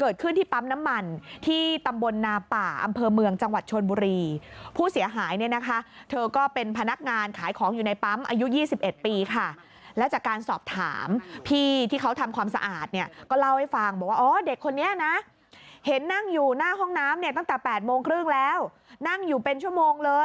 เกิดขึ้นที่ปั๊มน้ำมันที่ตำบลนาป่าอำเภอเมืองจังหวัดชนบุรีผู้เสียหายเนี่ยนะคะเธอก็เป็นพนักงานขายของอยู่ในปั๊มอายุ๒๑ปีค่ะแล้วจากการสอบถามพี่ที่เขาทำความสะอาดเนี่ยก็เล่าให้ฟังบอกว่าอ๋อเด็กคนนี้นะเห็นนั่งอยู่หน้าห้องน้ำเนี่ยตั้งแต่๘โมงครึ่งแล้วนั่งอยู่เป็นชั่วโมงเลย